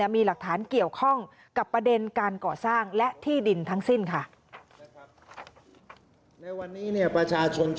มีหลักฐานเกี่ยวข้องกับประเด็นการก่อสร้างและที่ดินทั้งสิ้นค่ะ